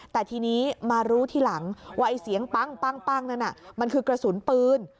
แต่ทีนี้มารู้ทีหลังว่าไอ้เสียงปั้งนั้นมันคือกระสุนปืน